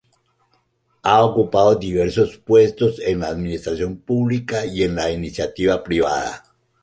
Ha ocupado diversos puestos en la administración pública y en la iniciativa privada.